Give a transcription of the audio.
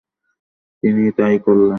তিনি তাই করলেন।